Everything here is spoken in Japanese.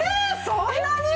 そんなに！？